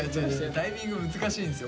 タイミング難しいんですよ。